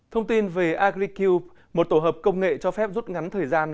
thông tin về agricube một tổ hợp công nghệ cho phép rút ngắn thời gian